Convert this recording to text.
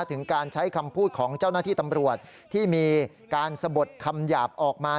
ถึงการใช้คำพูดของเจ้าหน้าที่ตำรวจที่มีการสะบดคำหยาบออกมา